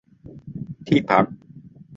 ที่พัก